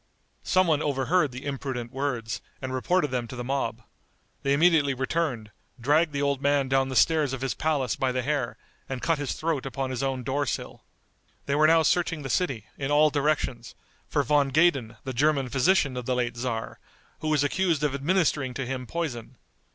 Some one overheard the imprudent words, and reported them to the mob. They immediately returned, dragged the old man down the stairs of his palace by the hair, and cut his throat upon his own door sill. They were now searching the city, in all directions, for Von Gaden the German physician of the late tzar, who was accused of administering to him poison.